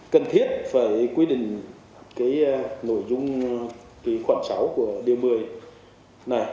cần thiết phải quy định nội dung khoản sáu của điều một mươi này